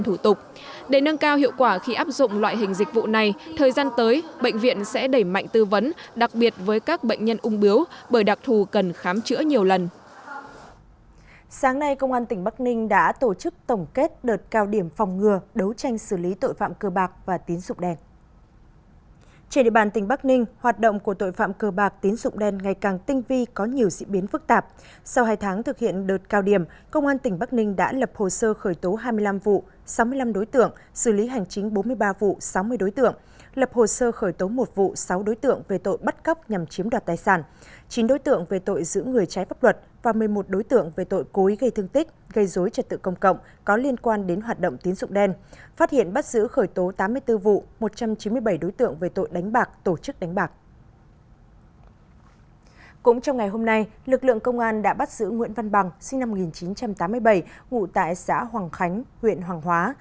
trong ngày hôm nay lực lượng công an đã bắt giữ nguyễn văn bằng sinh năm một nghìn chín trăm tám mươi bảy ngụ tại xã hoàng khánh huyện hoàng hóa